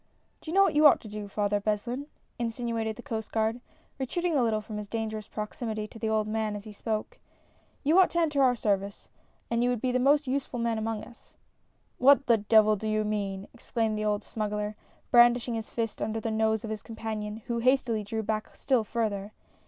"Do you know what you ought to do. Father Beslin?" insinuated the Coast Guard, retreating a little from his dangerous proximity to the old man as he spoke : "You ought to enter our service, and you would be the most useful man among us "" What the devil do you mean !" exclaimed the old smuggler, brandishing his fist under the nose of his companion, who hastily drew back still further.